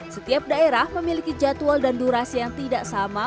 setiap daerah memiliki jadwal dan durasi yang tidak sama